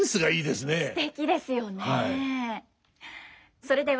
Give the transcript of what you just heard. すてきですよね。